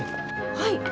はい！